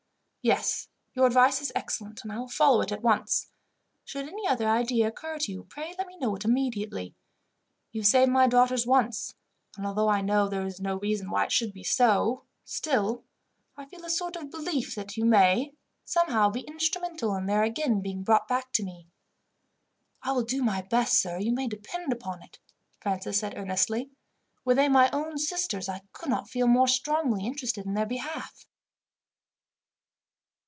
"Yes, your advice is excellent, and I will follow it at once. Should any other idea occur to you, pray let me know it immediately. You saved my daughters once, and although I know there is no reason why it should be so, still, I feel a sort of belief that you may, somehow, be instrumental in their again being brought back to me." "I will do my best, sir, you may depend upon it," Francis said earnestly. "Were they my own sisters, I could not feel more strongly interested in their behalf."